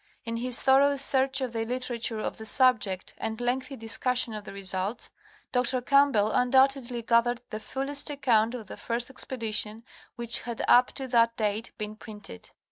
In his thorough search of the literature of the subject and lengthy discussion of the results, Dr. Campbell undoubtedly gathered the fullest account of the first expedition which had up to that date been printed.